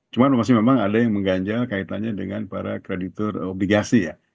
cuma masih memang ada yang mengganjal kaitannya dengan para kreditur obligasi ya